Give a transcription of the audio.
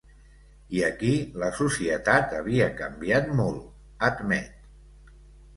I aquí la societat havia canviat molt, admet.